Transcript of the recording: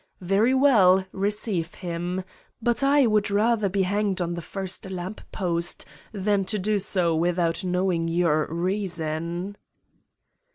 Very well, receive him. But I would rather be hanged on the first lamppost than to do so without knowing your reason.'